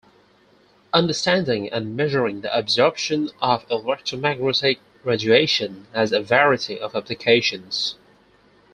Understanding and measuring the absorption of electromagnetic radiation has a variety of applications.